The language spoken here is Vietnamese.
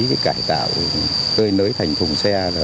cái cải tạo cơi nới thành thùng xe